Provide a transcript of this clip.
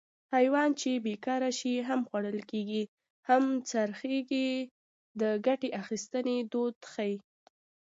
حیوان چې بېکاره شي هم خوړل کېږي هم خرڅېږي د ګټې اخیستنې دود ښيي